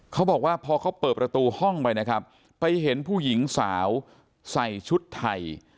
เขาบอกว่าพอเขาเปิดประตูห้องไปนะครับไปเห็นผู้หญิงสาวใส่ชุดไทย